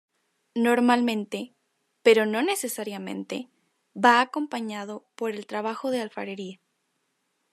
Normalmente, pero no necesariamente, va acompañado por el trabajo de alfarería.